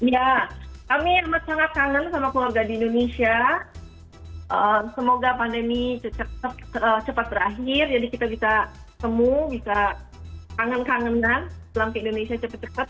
ya kami amat sangat kangen sama keluarga di indonesia semoga pandemi cepat berakhir jadi kita bisa temu bisa kangen kangenan pulang ke indonesia cepat cepat